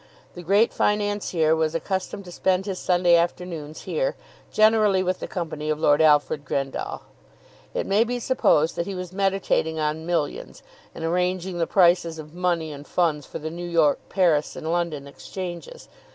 The great financier was accustomed to spend his Sunday afternoons here, generally with the company of Lord Alfred Grendall. It may be supposed that he was meditating on millions, and arranging the prices of money and funds for the New York, Paris, and London Exchanges.